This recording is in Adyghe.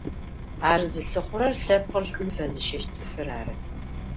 Ар зылъыхъурэр лъэпкъыр шӏум фэзыщэщт цӏыфыр ары.